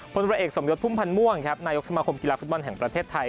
ผลวัตเกตสมยสพุมพันธ์ม่วงนายกสมาคมกีฬาฟุตบอลแห่งประเทศไทย